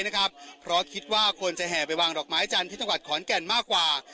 นะครับเพราะคิดว่าคนจะแห่วไปวางหลอกไม้จันทร์ผิดออกขอนแก่นมากกว่า